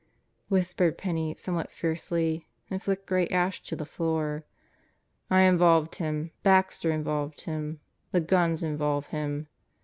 whispered Penney some what fiercely and flicked gray ash to the floor. "I involved him. Baxter involved him. The guns involve him.